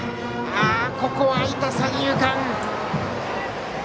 ここは空いた三遊間へ。